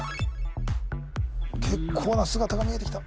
結構な姿が見えてきた